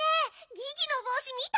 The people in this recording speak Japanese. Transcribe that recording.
ギギのぼうし見た？